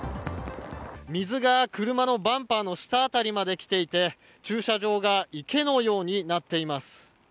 水が車のバンパーの下あたりまで来ていて駐車場が池のようになっています。